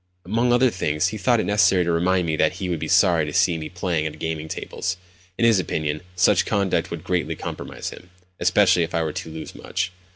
Among other things, he thought it necessary to remind me that he would be sorry to see me playing at the gaming tables. In his opinion, such conduct would greatly compromise him—especially if I were to lose much.